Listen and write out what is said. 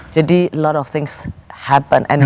jadi banyak hal terjadi